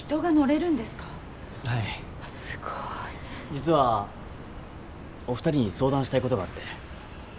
実はお二人に相談したいことがあって。